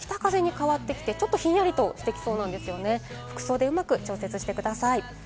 北風に変わってきて、ちょっとひんやりとしてきそうなんです、服装でうまく調節してください。